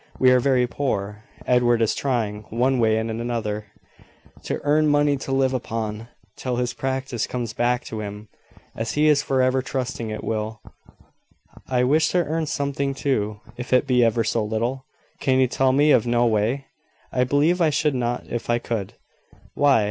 We are very poor. Edward is trying, one way and another, to earn money to live upon, till his practice comes back to him, as he is for ever trusting it will. I wish to earn something too, if it be ever so little. Can you tell me of no way?" "I believe I should not if I could. Why?